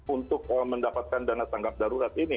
untuk mendapatkan dana tanggap darurat ini